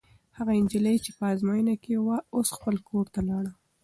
هغه نجلۍ چې په ازموینه کې وه، اوس خپل کور ته لاړه.